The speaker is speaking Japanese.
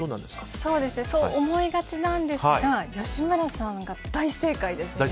そう思いがちなんですが吉村さんが大正解です。